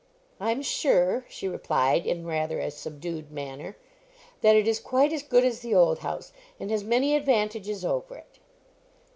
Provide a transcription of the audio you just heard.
"I'm sure," she replied, in rather a subdued manner, "that it is quite as good as the old house, and has many advantages over it."